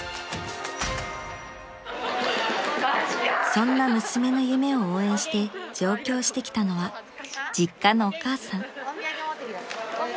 ［そんな娘の夢を応援して上京してきたのは実家のお母さん］